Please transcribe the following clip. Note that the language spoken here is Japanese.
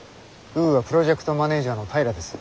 ウーア・プロジェクトマネージャーの平です。